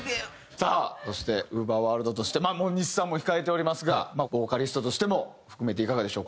さあそしてＵＶＥＲｗｏｒｌｄとして日産も控えておりますがボーカリストとしても含めていかがでしょう？